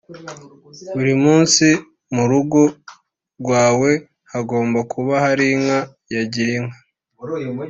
buri munsi mu rugo rwawe hagomba kuba hari inka ya Girinka